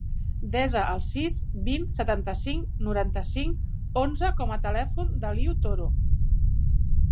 Desa el sis, vint, setanta-cinc, noranta-cinc, onze com a telèfon de l'Iu Toro.